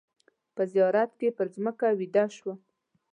په زیارت کې پر مځکه ویده شوم.